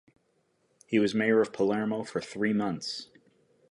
He was Mayor of Palermo for three months.